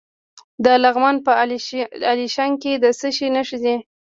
د لغمان په الیشنګ کې د څه شي نښې دي؟